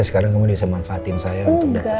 sekarang kamu bisa manfaatin saya untuk menurut anda